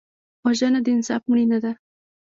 وژنه د انصاف مړینه ده